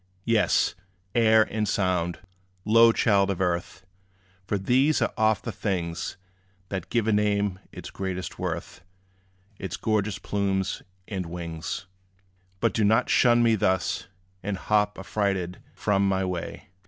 Yes air and sound, low child of earth! For these are oft the things That give a name its greatest worth, Its gorgeous plumes and wings. But do not shun me thus, and hop Affrighted from my way.